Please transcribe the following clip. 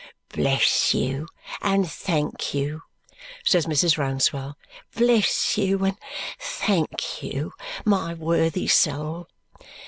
"Bless you, and thank you," says Mrs. Rouncewell. "Bless you, and thank you, my worthy soul!"